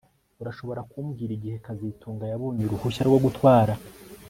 Urashobora kumbwira igihe kazitunga yabonye uruhushya rwo gutwara